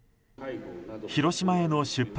広島への出発